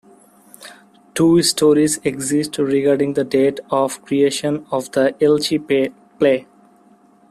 Two stories exist regarding the date of creation of the Elche play.